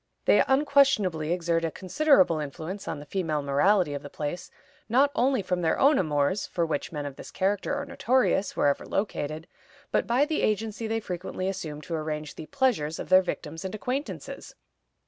They unquestionably exert a considerable influence on the female morality of the place, not only from their own amours, for which men of this character are notorious wherever located, but by the agency they frequently assume to arrange the "pleasures" of their victims and acquaintances.